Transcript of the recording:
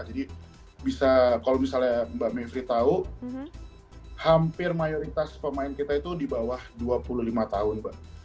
jadi bisa kalau misalnya mbak mivri tahu hampir mayoritas pemain kita itu di bawah dua puluh lima tahun